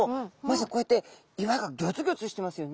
まずこうやって岩がギョつギョつしてますよね。